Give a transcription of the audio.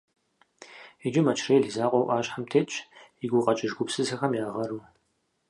Иджы Мэчрэӏил и закъуэу ӏуащхьэм тетщ и гукъэкӏыж гупсысэхэм я гъэру.